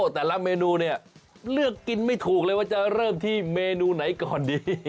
แต่ละเมนูเนี่ยเลือกกินไม่ถูกเลยว่าจะเริ่มที่เมนูไหนก่อนดี